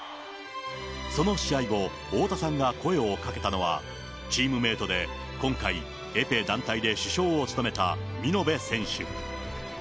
その試合後、太田さんが声をかけたのは、チームメートで今回、エペ団体で主将を務めた見延選手。